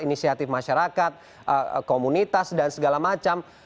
inisiatif masyarakat komunitas dan segala macam